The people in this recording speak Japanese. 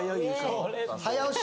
早押し